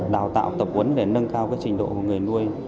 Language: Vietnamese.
đào tạo tập uấn để nâng cao cái trình độ của người nuôi